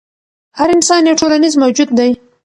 هر انسان یو ټولنیز موجود دی.